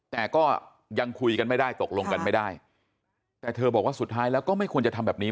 แต่ก็ยังคุยกันไม่ได้ตกลงกันไม่ได้แต่เธอบอกว่าสุดท้ายแล้วก็ไม่ควรจะทำแบบนี้